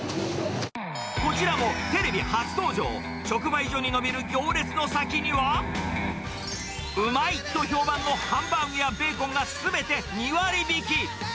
こちらもテレビ初登場、直売所に伸びる行列の先には、うまいと評判のハンバーグやベーコンがすべて２割引き。